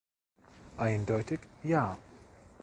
Eindeutig ja.